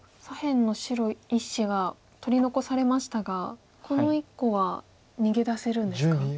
左辺の白１子が取り残されましたがこの１個は逃げ出せるんですか？